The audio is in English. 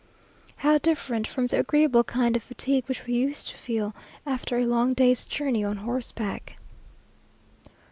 How different from the agreeable kind of fatigue which we used to feel after a long day's journey on horseback!